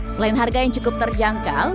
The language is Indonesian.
selain harga yang cukup terjangkau